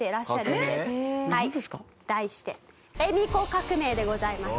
はい題して恵美子革命でございます。